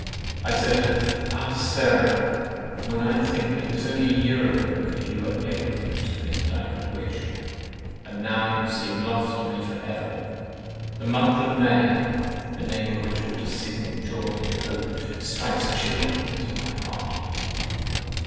I said to her, "Ah! Sarah, when I think that it is only a year ago that you were everything to me I could wish, and that now you seem lost to me for ever, the month of May (the name of which ought to be a signal for joy and hope) strikes chill to my heart.